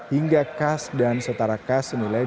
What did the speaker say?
hingga kas dan setara kas senilai dua